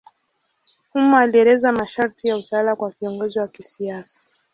Humo alieleza masharti ya utawala kwa kiongozi wa kisiasa.